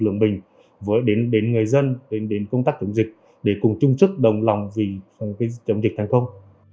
chống dịch đến người dân đến công tác chống dịch để cùng chung chức đồng lòng vì chống dịch thành công